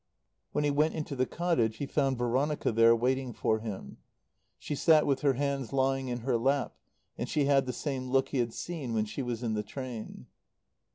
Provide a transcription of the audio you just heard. When he went into the cottage he found Veronica there waiting for him. She sat with her hands lying in her lap, and she had the same look he had seen when she was in the train.